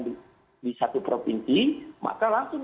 di satu provinsi maka langsung